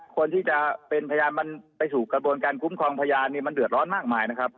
คนที่จะเป็นพยานมันไปสู่กระบวนการคุ้มครองพยานเนี่ยมันเดือดร้อนมากมายนะครับ